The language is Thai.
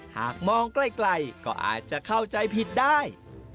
หากมองไกลก็อาจจะเข้าใจผิดได้